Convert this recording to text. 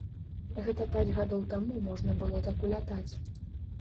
Гэта пяць гадоў таму можна было так улятаць.